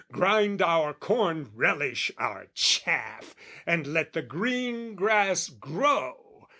Grind our corn, "Relish our chaff, and let the green grass grow!"